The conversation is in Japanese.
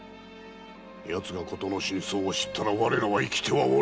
奴がことの真相を知ったら我らは生きてはおれぬ。